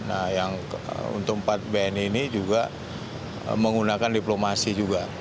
nah yang untuk empat bni ini juga menggunakan diplomasi juga